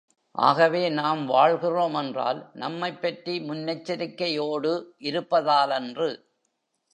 ஆகவே, நாம் வாழ்கிறோம் என்றால், நம்மைப் பற்றி முன்னெச்சரிக்கையோடு இருப்பதாலன்று.